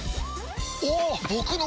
おっ！